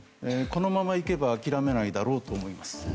このままいけば諦めないだろうと思います。